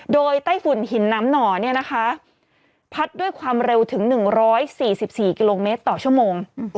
โดยไต้ฝุ่นหินน้ำหน่อพัดด้วยความเร็วถึง๑๔๔กิโลเมตรต่อชั่วโมง